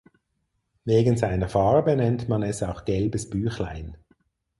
Wegen seiner Farbe nennt man es auch gelbes Büchlein.